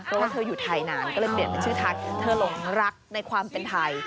เพราะว่าเธออยู่ไทยนานก็เลยเปลี่ยนเป็นชื่อไทยเธอหลงรักในความเป็นไทย